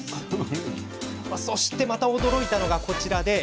そして驚いたのは、こちらです。